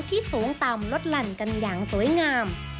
สูงต่ำลดหลั่นกันอย่างสวยงาม